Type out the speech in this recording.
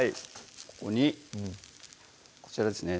ここにこちらですね